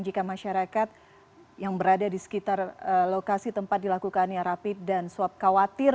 jika masyarakat yang berada di sekitar lokasi tempat dilakukannya rapid dan swab khawatir